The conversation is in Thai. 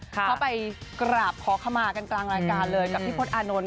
เขาไปกราบขอขมากันกลางรายการเลยกับพี่พศอานนท์